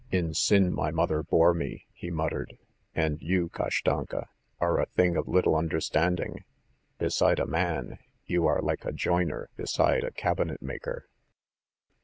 "In sin my mother bore me," he muttered. "And you, Kashtanka, are a thing of little understanding. Beside a man, you are like a joiner beside a cabinetmaker."